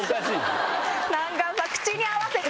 なんかさ口に合わせて。